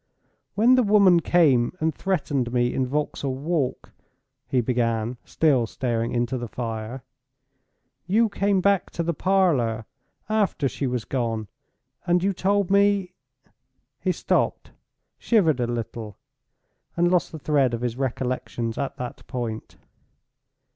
"When the woman came and threatened me in Vauxhall Walk," he began, still staring into the fire, "you came back to the parlor after she was gone, and you told me—?" He stopped, shivered a little, and lost the thread of his recollections at that point.